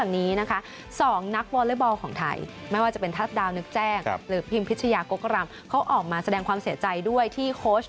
นอกจากนี้